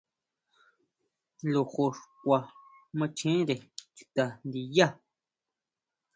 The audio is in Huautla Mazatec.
Lojo xkua machere chuta ndiyá.